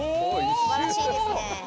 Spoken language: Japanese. すばらしいですね。